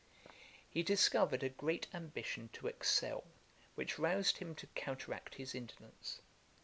] He discovered a great ambition to excel, which roused him to counteract his indolence.